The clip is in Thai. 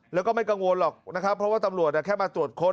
แล้วก็ไม่กังวลหรอกนะครับเพราะว่าตำรวจแค่มาตรวจค้น